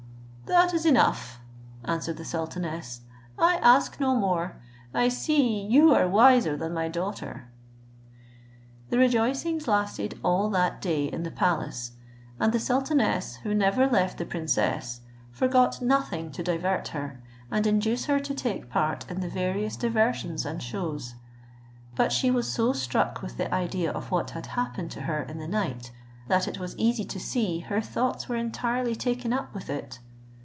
"That is enough," answered the sultaness, "I ask no more, I see you are wiser than my daughter." The rejoicings lasted all that day in the palace, and the sultaness, who never left the princess, forgot nothing to divert her, and induce her to take part in the various diversions and shows; but she was so struck with the idea of what had happened to her in the night, that it was easy to see her thoughts were entirely taken up with it.